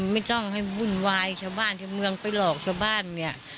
ไม่ต้องให้วุ่นวายชาวบ้านชาวเมืองไปหลอกชาวบ้านเนี่ย